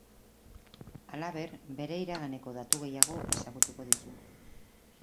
Halaber, bere iraganeko datu gehiago ezagutuko ditu.